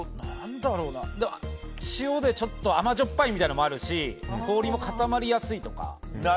塩でちょっと甘じょっぱいみたいなのもあるし氷も固まりやすいとか。